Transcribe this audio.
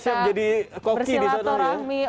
siap siap jadi kokid di sana ya